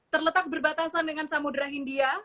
terletak berbatasan dengan samudera india